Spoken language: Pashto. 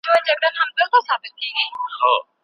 یاران به خوښ وي رقیب له خوار وي.